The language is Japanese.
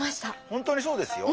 本当にそうですよ。